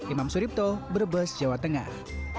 imam suripto brebes jawa tengah